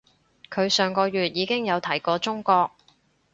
佢上個月已經有提過中國